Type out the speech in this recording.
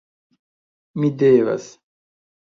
Mi devas...